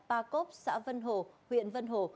pa cốc xã vân hồ huyện vân hồ